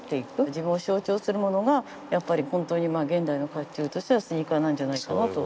自分を象徴するものがやっぱり本当に現代の甲冑としてはスニーカーなんじゃないかなと。